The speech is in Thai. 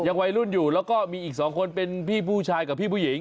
วัยรุ่นอยู่แล้วก็มีอีกสองคนเป็นพี่ผู้ชายกับพี่ผู้หญิง